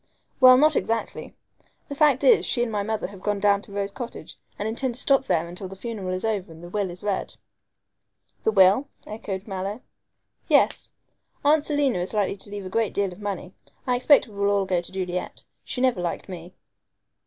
"Well, not exactly. The fact is, she and my mother have gone down to Rose Cottage and intend to stop there until the funeral is over and the will is read." "The will?" echoed Mallow. "Yes. Aunt Selina is likely to leave a great deal of money. I expect it will all go to Juliet. She never liked me."